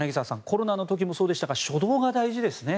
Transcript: コロナの時もそうでしたが初動が大事ですね。